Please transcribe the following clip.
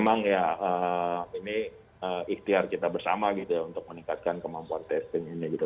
memang ya ini ikhtiar kita bersama gitu ya untuk meningkatkan kemampuan testing ini gitu